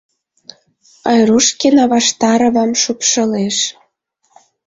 Айрушкина Ваштаровам шупшылеш.